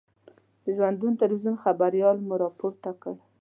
د ژوندون تلویزون خبریال مو را پورته کړ.